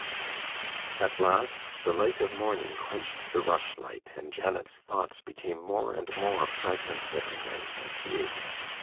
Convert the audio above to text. At last, the light of morning quenched the rushlight, and Janet's thoughts became more and more fragmentary and confused.